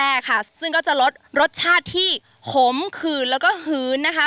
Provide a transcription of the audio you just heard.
ทำเมนูซ่ามะเขือแจ่ค่ะซึ่งก็จะลดรสชาติที่ขมขืนแล้วก็หืนนะคะ